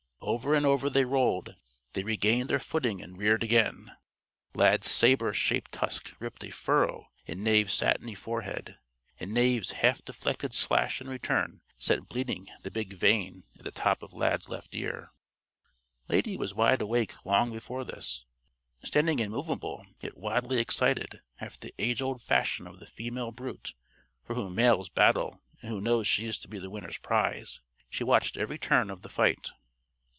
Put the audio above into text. Over and over they rolled. They regained their footing and reared again. Lad's saber shaped tusk ripped a furrow in Knave's satiny forehead; and Knave's half deflected slash in return set bleeding the big vein at the top of Lad's left ear. Lady was wide awake long before this. Standing immovable, yet wildly excited after the age old fashion of the female brute for whom males battle and who knows she is to be the winner's prize she watched every turn of the fight.